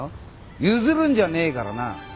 譲るんじゃねえからな。